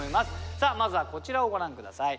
さあまずはこちらをご覧下さい。